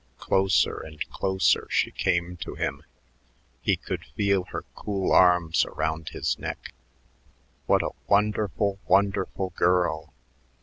Closer and closer she came to him. He could feel her cool arms around his neck. "What a wonderful, wonderful girl!